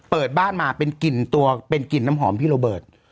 เปิดบ้านมาเป็นกลิ่นตัวเป็นกลิ่นน้ำหอมพี่โรเบิร์ต